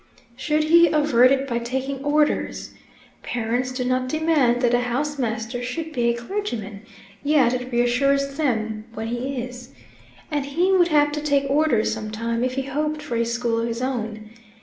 Should he avert it by taking orders? Parents do not demand that a house master should be a clergyman, yet it reassures them when he is. And he would have to take orders some time, if he hoped for a school of his own.